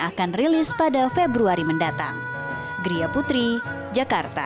akan rilis pada februari mendatang gria putri jakarta